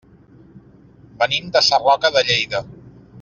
Venim de Sarroca de Lleida.